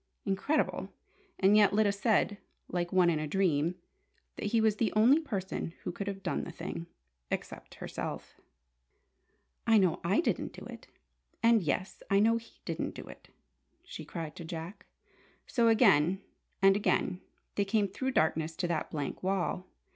Incredible! And yet, Lyda said, like one in a dream, that he was the only person who could have done the thing except herself! "I know I didn't do it, and yes, I know he didn't do it!" she cried to Jack. So, again and again they came through darkness to that blank wall!